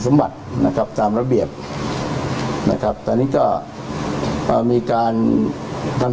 สมบัตินะครับตามระเบียบนะครับตอนนี้ก็อ่ามีการทำ